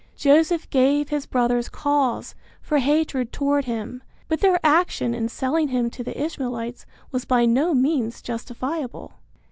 Joseph gave his brothers cause for hatred toward him, but their action in selling him to the Ishmaelites was by no means justifiable.